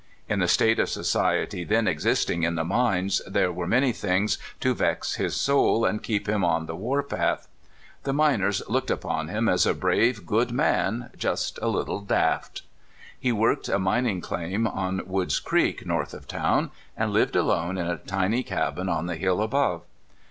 In the state of society then existing in the mines there were many things to vex his soul and keep him on the war path! The miners looked upon him as a brave, good man. just a Httle daft. He worked a mining claim on Wood's Creek, north of town, and Hved alone in a tiny cabin on the hill above.